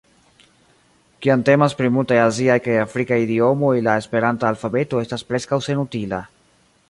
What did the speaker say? Kiam temas pri multaj aziaj kaj afrikaj idiomoj la esperanta alfabeto estas preskaŭ senutila.